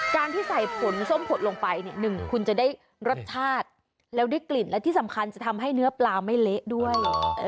การที่ใส่ผลส้มผดลงไปเนี่ยหนึ่งคุณจะได้รสชาติแล้วได้กลิ่นและที่สำคัญจะทำให้เนื้อปลาไม่เละด้วย